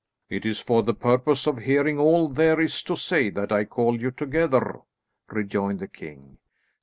"It is for the purpose of hearing all there is to say that I called you together," rejoined the king.